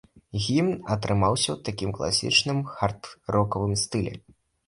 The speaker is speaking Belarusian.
Гімн атрымаўся ў такім класічным хард-рокавым стылі.